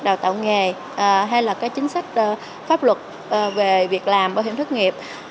đào tạo nghề hay là các chính sách pháp luật về việc làm bảo hiểm thất nghiệp